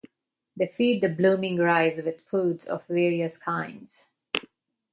They feed the blooming rice with foods of various kinds.